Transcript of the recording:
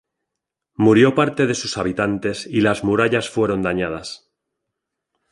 Murió parte de sus habitantes y las murallas fueron dañadas.